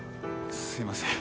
すいません。